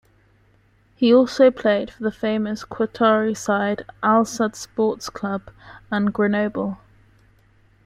He also played for the famous Qatari side, Al-Sadd Sports Club and Grenoble.